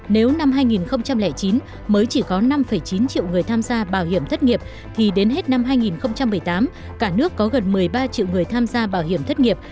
nếu năm hai nghìn chín mới chỉ có năm chín triệu người tham gia bảo hiểm thất nghiệp thì đến hết năm hai nghìn một mươi tám cả nước có gần một mươi ba triệu người tham gia bảo hiểm thất nghiệp